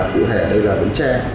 cụ thể đây là vĩnh tre